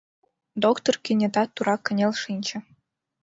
Доктыр кенета тура кынел шинче.